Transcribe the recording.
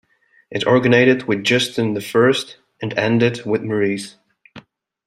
It originated with Justin I and ended with Maurice.